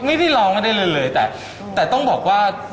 ไม่ได้ลองไม่ได้เลยเรย์แต่ต้องบอกว่า